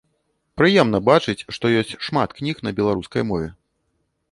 Прыемна бачыць, што ёсць шмат кніг на беларускай мове.